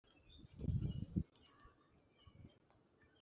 ibihe ntabwo nabyitayeho.